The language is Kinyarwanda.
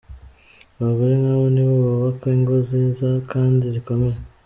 Abagore nk’abo ni bo bubaka ingo nziza kandi zikomeye.